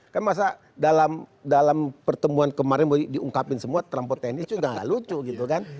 kan masa dalam pertemuan kemarin diungkapin semua terampil teknis itu tidak lucu gitu kan